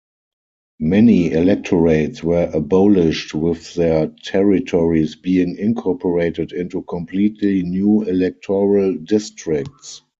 Many electorates were abolished, with their territories being incorporated into completely new electoral districts.